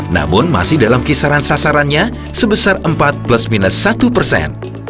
namun masih dalam kisaran sasarannya sebesar empat plus minus satu persen